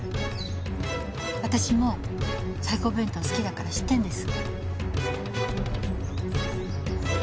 私もサイコー弁当好きだから知ってるんです。